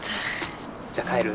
じゃあ帰る？